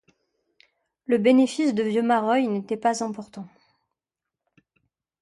Le bénéfice de Vieux-Mareuil n'était pas important.